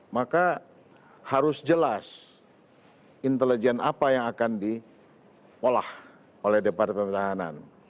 maka harus jelas intelijen apa yang akan diolah oleh departemen pertahanan